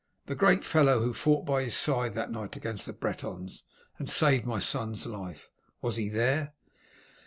"The great fellow who fought by his side that night against the Bretons, and saved my son's life. Was he there?"